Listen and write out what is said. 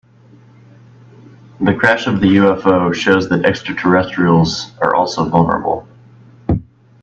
The crash of the UFO shows that extraterrestrials are also vulnerable.